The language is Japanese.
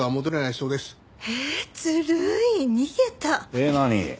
えっ何？